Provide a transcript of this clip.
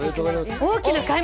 大きな買い物？